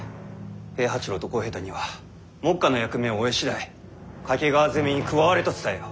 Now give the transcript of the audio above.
平八郎と小平太には目下の役目を終え次第懸川攻めに加われと伝えよ。